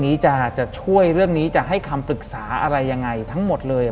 หลังจากนั้นเราไม่ได้คุยกันนะคะเดินเข้าบ้านอืม